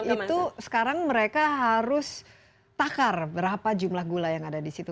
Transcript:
itu sekarang mereka harus takar berapa jumlah gula yang ada di situ